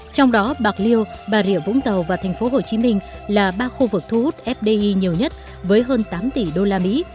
trong đó bạc liêu bà rịa vũng tàu và tp hcm là ba khu vực thu hút fdi nhiều nhất với hơn tám tỷ usd